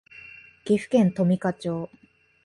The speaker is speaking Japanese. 岐阜県富加町